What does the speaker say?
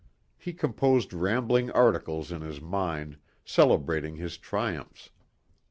He composed rambling articles in his mind celebrating his triumphs.